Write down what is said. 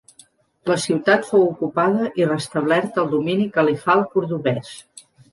La ciutat fou ocupada i restablert el domini califal cordovès.